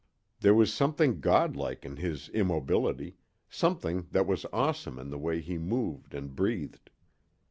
There was something god like in his immobility, something that was awesome in the way he moved and breathed.